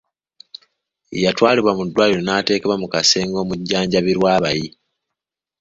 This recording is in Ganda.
Yatwalibwa mu ddwaliro n'ateekebwa mu kasenge omujjanjabirwa abayi.